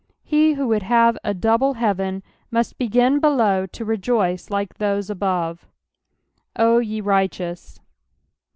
^He who would have a double heaven must begin below to rejoice like those abovu "0 ye righteous."